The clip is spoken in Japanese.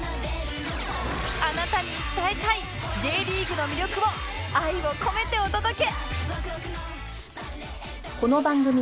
あなたに伝えたい Ｊ リーグの魅力を愛を込めてお届け！